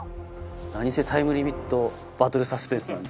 何せタイムリミットバトルサスペンスなんで。